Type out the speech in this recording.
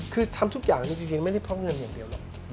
คือทำทุกอย่างจริงไม่ได้เพราะเงินอย่างเดียวหรอก